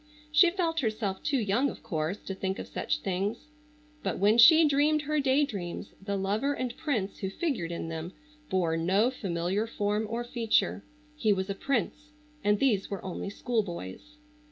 She felt herself too young, of course, to think of such things, but when she dreamed her day dreams the lover and prince who figured in them bore no familiar form or feature. He was a prince and these were only schoolboys.